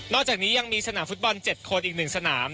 อกจากนี้ยังมีสนามฟุตบอล๗คนอีก๑สนาม